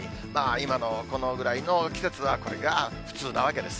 今のこのぐらいの季節はこれが普通なわけです。